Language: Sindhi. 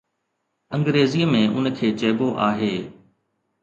انگريزيءَ ۾ ان کي چئبو آهي